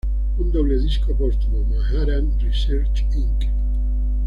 Un doble disco póstumo, "Manhattan Research Inc.